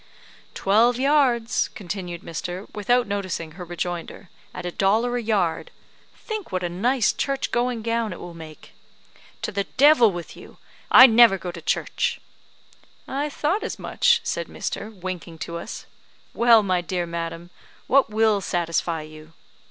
"Twelve yards," continued Mr. , without noticing her rejoinder, "at a dollar a yard. Think what a nice church going gown it will make." "To the devil with you! I never go to church." "I thought as much," said Mr. , winking to us. "Well, my dear madam, what will satisfy you?"